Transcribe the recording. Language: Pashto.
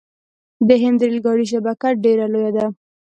د هند ریل ګاډي شبکه ډیره لویه ده.